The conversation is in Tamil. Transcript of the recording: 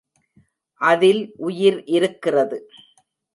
அதில் உயிர் இருக்கிறது.